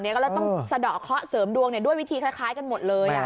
ก็เลยต้องสะดอกเคราะห์เสริมดวงด้วยวิธีคล้ายกันหมดเลย